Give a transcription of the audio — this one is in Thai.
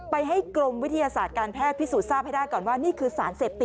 ให้กรมวิทยาศาสตร์การแพทย์พิสูจนทราบให้ได้ก่อนว่านี่คือสารเสพติด